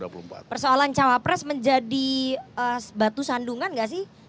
persoalan cawapres menjadi batu sandungan nggak sih